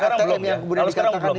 kalau sekarang belum